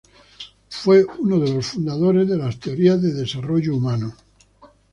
Fue uno de los fundadores de las teorías de desarrollo humano.